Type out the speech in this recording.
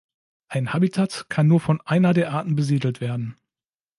Ein Habitat kann nur von einer der Arten besiedelt werden.